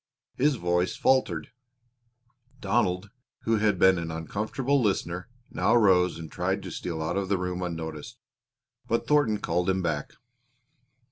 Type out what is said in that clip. His voice faltered. Donald, who had been an uncomfortable listener, now rose and tried to steal out of the room unnoticed, but Thornton called him back.